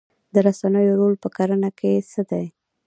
د رسنیو رول په کرنه کې څه دی؟